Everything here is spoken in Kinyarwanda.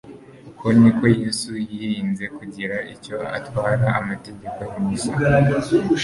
Uko niko Yesu yirinze kugira icyo atwara amategeko ya Mose,